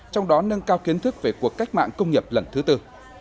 trong đó nâng cao kiến thức về cuộc cách mạng công nghiệp lần thứ tư